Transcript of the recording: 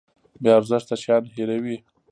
بې ارزښته شیان هیروي.